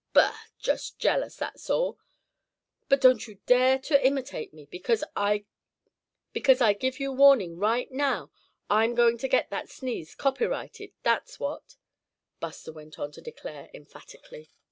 "Bah! just jealous, that's all; but don't you dare to imitate me, because I give you warning right now I'm going to get that sneeze copyrighted, that's what," Buster went on to declare emphatically.